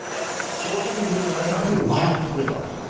正直に言っただけなのに笑ってくれたんですね。